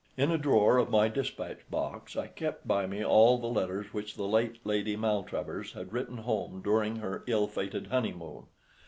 In a drawer of my despatch box, I kept by me all the letters which the late Lady Maltravers had written home during her ill fated honeymoon.